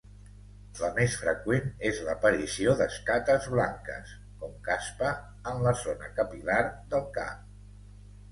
La més freqüent és l'aparició d'escates blanques, com caspa, en la zona capil·lar del cap.